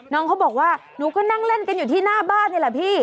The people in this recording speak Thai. น้องเขาบอกว่าหนูก็นั่งเล่นกันอยู่ที่หน้าบ้านนี่แหละพี่